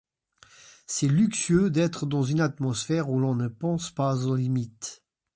C’est luxueux d’être dans une atmosphère où l’on ne pense pas aux limites.